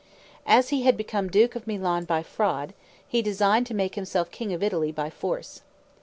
As he had become duke of Milan by fraud, he designed to make himself king of Italy by force.